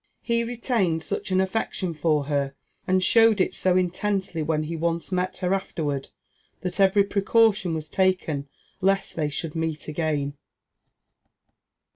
He retained such an affection for her, and showed it so intensely when he once met her afterward, that every precaution was taken lest they should meet again."